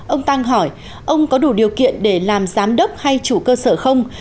ông tăng hỏi ông có đủ điều kiện để làm giám đốc hay chủ cơ sở không